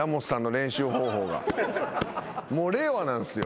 もう令和なんすよ。